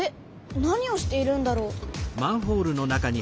何をしているんだろう？